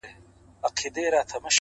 کومه ورځ چي تاته زه ښېرا کوم،